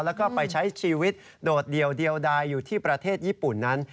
แล้วก็ไปใช้ชีวิตโดดเดียวดายอยู่ที่ประเทศญี่ปุ่นนั้น